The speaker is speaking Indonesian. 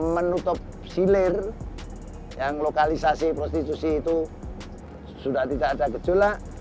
menutup silir yang lokalisasi prostitusi itu sudah tidak ada gejolak